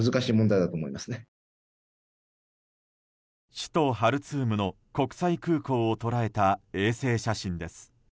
首都ハルツームの国際空港を捉えた衛星写真です。